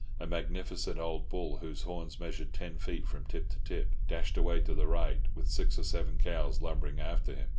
A magnificent old bull, whose horns measured ten feet from tip to tip, dashed away to the right with six or seven cows lumbering after him.